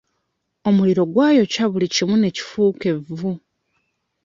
Omuliro gwayokya buli kimu ne kifuuka evvu.